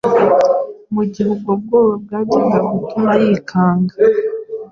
mu gihe ubwo bwoba bwajyaga gutuma yikanga